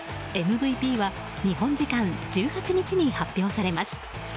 ＭＶＰは日本時間１８日に発表されます。